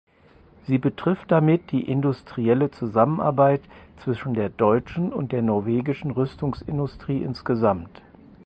Sie betrifft damit die industrielle Zusammenarbeit zwischen der deutschen und der norwegischen Rüstungsindustrie insgesamt.